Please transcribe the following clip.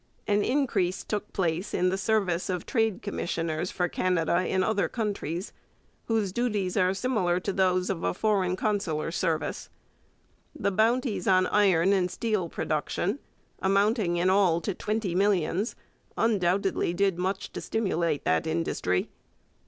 An increase took place in the service of trade commissioners for Canada in other countries, whose duties are similar to those of a foreign consular service. The bounties on iron and steel production, amounting in all to twenty millions, undoubtedly did much to stimulate that industry.